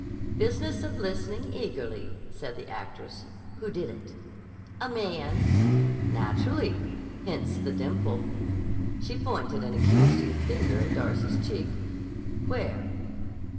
"Business of listening eagerly," said the actress. "Who did it?" "A man." "Naturally. Hence the dimple." She pointed an accusing finger at Darcy's cheek. "Where?"